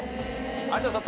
有田さん